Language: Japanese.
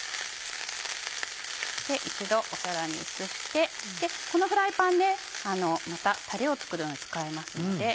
一度皿に移してこのフライパンねまたたれを作るのに使いますので。